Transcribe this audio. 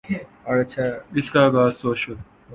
اس کا آغاز سوشل